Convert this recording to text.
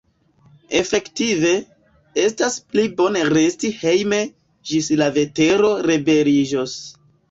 Efektive, estas pli bone resti hejme, ĝis la vetero rebeliĝos.